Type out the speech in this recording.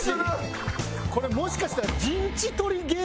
これもしかしたら。